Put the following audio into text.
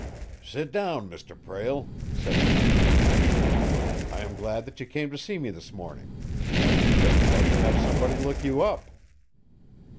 "Sit down, Mr. Prale," said the financier. "I am glad that you came to see me this morning. I was just about to have somebody look you up."